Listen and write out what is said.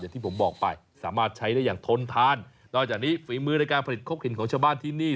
ที่ผมบอกไปสามารถใช้ได้อย่างทนทานนอกจากนี้ฝีมือในการผลิตครบถิ่นของชาวบ้านที่นี่